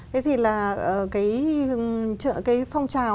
thế thì là cái phong trào